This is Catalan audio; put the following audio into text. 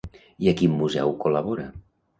I a quin museu col·labora?